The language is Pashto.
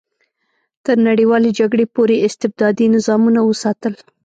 تر نړیوالې جګړې پورې استبدادي نظامونه وساتل.